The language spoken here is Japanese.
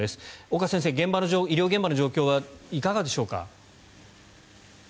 岡先生、医療現場の状況はいかがでしょうか。